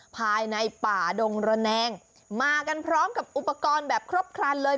ภายในป่าดงระแนงมากันพร้อมกับอุปกรณ์แบบครบครันเลย